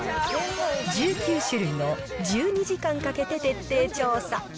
１９種類を１２時間かけて徹底調査。